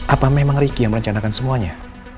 apa memang ricky yang merencanakan semuanya